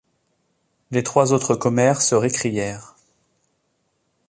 Les trois autres commères se récrièrent.